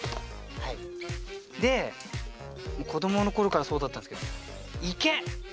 で子どもの頃からそうだったんですけど「池」。